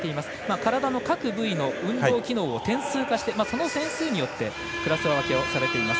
体の各部位の運動機能を点数化してその点数によってクラス分けをされています。